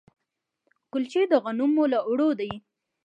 کلچې د غنمو له اوړو دي.